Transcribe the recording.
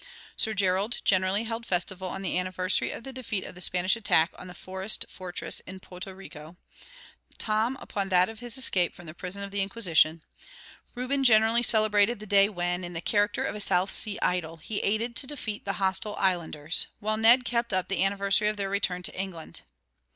Sir Gerald generally held festival on the anniversary of the defeat of the Spanish attack on the forest fortress in Porto Rico; Tom upon that of his escape from the prison of the Inquisition; Reuben generally celebrated the day when, in the character of a South Sea idol, he aided to defeat the hostile islanders; while Ned kept up the anniversary of their return to England.